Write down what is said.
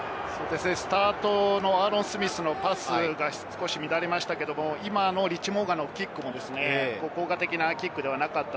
スタートのアーロン・スミスのパスが少し乱れましたけれども、リッチー・モウンガのキックも効果的なキックではなかった。